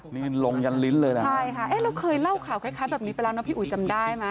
นี่ลงยันลิ้นเลยนะใช่ค่ะเอ๊ะเราเคยเล่าข่าวคล้ายแบบนี้ไปแล้วนะพี่อุ๋ยจำได้ไหม